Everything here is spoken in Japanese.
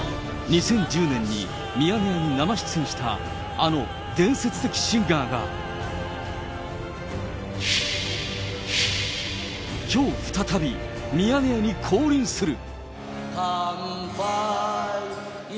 ２０１０年にミヤネ屋に生出演した、あの伝説的シンガーが、きょう再び、ミヤネ屋に降臨する。